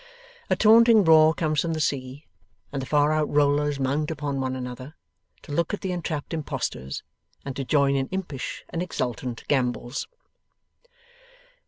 A taunting roar comes from the sea, and the far out rollers mount upon one another, to look at the entrapped impostors, and to join in impish and exultant gambols.